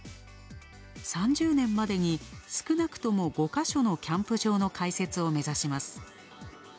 ３０年までに少なくとも５箇所のキャンプ場の開設を目指します。